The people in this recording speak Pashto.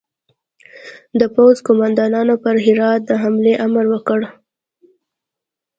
د پوځ قوماندانانو پر هرات د حملې امر ورکړ.